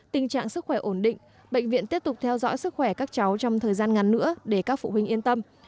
tình trạng sức khỏe ổn định bệnh viện tiếp tục theo dõi sức khỏe các cháu trong thời gian ngắn nữa để các phụ huynh yên tâm